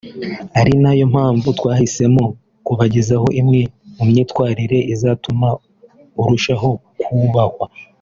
ari na yo mpamvu twahisemo kubagezaho imwe mu myitwarire izatuma urushaho kubahwa